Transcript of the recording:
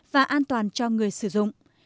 mà an toàn cho người sử dụng